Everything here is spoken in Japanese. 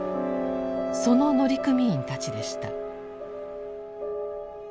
その乗組員たちでした。